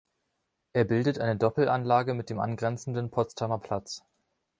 Er bildet eine Doppelanlage mit dem angrenzenden Potsdamer Platz.